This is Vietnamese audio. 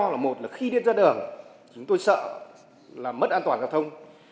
là một là khi đi ra đường chúng tôi sợ là mất an toàn giao thông